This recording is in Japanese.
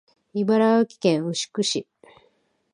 茨城県牛久市